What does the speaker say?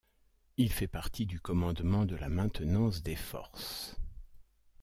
Il fait partie du Commandement de la maintenance des forces.